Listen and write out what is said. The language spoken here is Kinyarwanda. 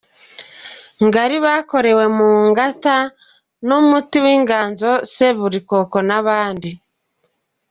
Ngari’ bakorewe mu ngata n ‘Umuti w’Inganzo’, ‘Seburikoko’n’abandi.